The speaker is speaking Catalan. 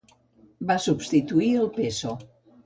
Va substituir el peso.